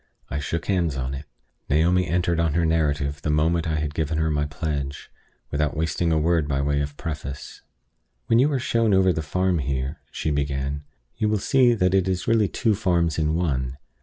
I shook hands on it. Naomi entered on her narrative the moment I had given her my pledge, without wasting a word by way of preface. "When you are shown over the farm here," she began, "you will see that it is really two farms in one.